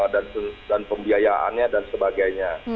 dan pembiayaannya dan sebagainya